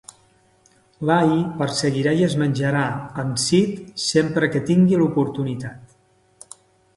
L'Al perseguirà i es menjarà en Sid sempre que tingui l'oportunitat.